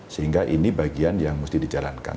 sehingga ini bagian yang mesti dijalankan